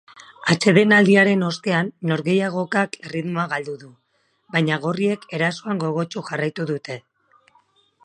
Atsedenaldiaren ostean norgehiakokak erritmoa galdu du, baina gorriek erasoan gogotsu jarraitu dute.